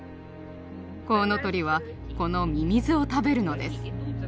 コウノトリはこのミミズを食べるのです。